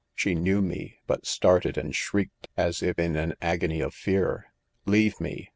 She knew me, but started and shrieked as if in an agony of fear* " Leave me